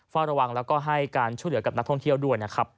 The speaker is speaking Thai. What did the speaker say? เฝ้าระวังแล้วก็ให้การช่วยเหลือกับนักท่องเที่ยวด้วยนะครับ